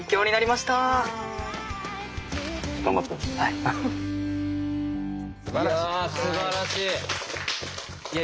いやすばらしい。